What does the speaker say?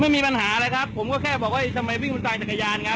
ไม่มีปัญหาอะไรครับผมก็แค่บอกว่าทำไมวิ่งสุดทางจากกระยานครับ